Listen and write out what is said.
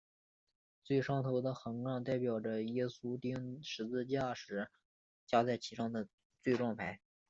最上头的横杠代表耶稣钉十字架时加在其上的罪状牌。